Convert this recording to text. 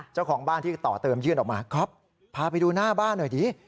เจ้าของบ้านที่ต่อเติมยื่นออกมาก๊อฟพาไปดูหน้าบ้านหน่อยดิ